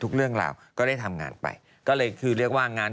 เขาเพิ่งมีแฟนด้วยนะ